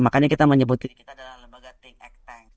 makanya kita menyebut diri kita adalah lembaga think act tank